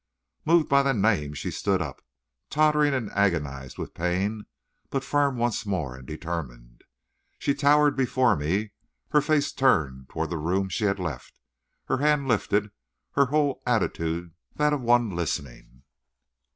Moved by the name, she stood up. Tottering and agonized with pain, but firm once more and determined, she towered before me, her face turned toward the room she had left, her hand lifted, her whole attitude that of one listening.